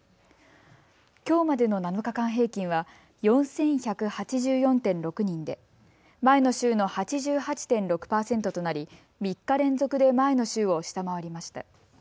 きょうまでの７日間平均は４１８４．６人で前の週の８８．６％となり３日連続で前の週を下回りました。